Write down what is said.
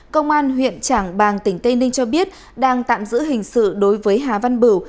công an huyện trảng bàng tỉnh tây ninh cho biết đang tạm giữ hình sự đối với hà văn bửu